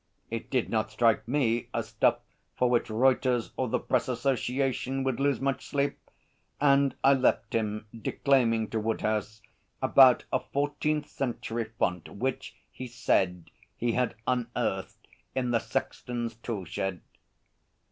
It did not strike me as stuff for which Reuters or the Press Association would lose much sleep, and I left him declaiming to Woodhouse about a fourteenth century font which, he said, he had unearthed in the sexton's tool shed.